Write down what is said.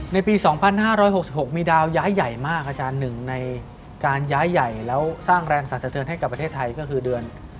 ในปี๒๕๖๖มีดาวย้ายใหญ่มากอาจารย์หนึ่งในการย้ายใหญ่แล้วสร้างแรงสรรสะเทินให้กับประเทศไทยก็คือเดือน